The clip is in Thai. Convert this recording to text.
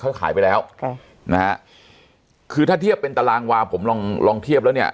เขาขายไปแล้วค่ะนะฮะคือถ้าเทียบเป็นตารางวาผมลองลองเทียบแล้วเนี่ย